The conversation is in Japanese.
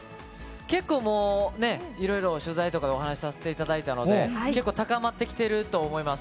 結構もう、いろいろ取材とかでお話しさせていただいたので、結構、高まってきてると思います。